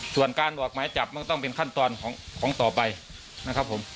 ส่วนการบอกหมายจับมันก็ต้องเป็นขั้นตอนของต่อไปนะครับผม